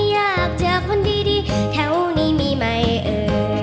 อยากเจอคนดีแถวนี้มีไหมเอ่ย